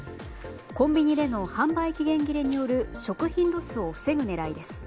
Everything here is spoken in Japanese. コンビニでの販売期限切れによる食品ロスを防ぐ狙いです。